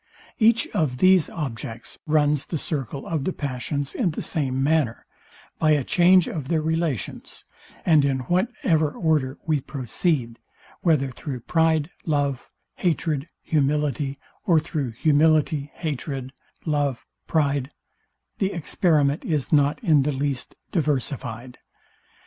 Each of these objects runs the circle of the passions in the same manner, by a change of their relations: And in whatever order we proceed, whether through pride, love, hatred, humility, or through humility, hatred, love, pride, the experiment is not in the least diversifyed.